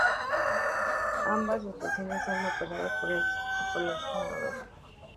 Ambas estaciones son operadas por el Instituto Polar Noruego.